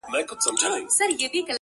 • برېښنا، تالندي، غړومبی او جګ ږغونه -